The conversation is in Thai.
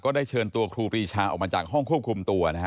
ได้เชิญตัวครูปรีชาออกมาจากห้องควบคุมตัวนะฮะ